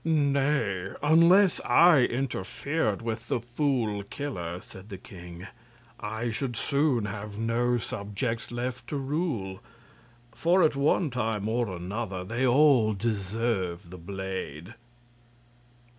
"Nay, unless I interfered with the Fool Killer," said the king, "I should soon have no subjects left to rule; for at one time or another they all deserve the blade."